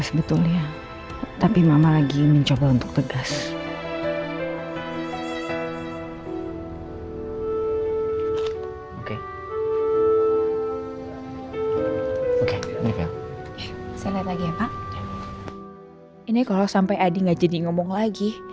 sebetulnya tapi mama lagi mencoba untuk tegas oke oke ini kalau sampai ada nggak jadi ngomong lagi